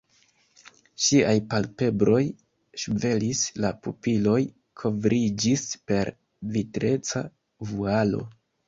Ŝiaj palpebroj ŝvelis, la pupiloj kovriĝis per vitreca vualo.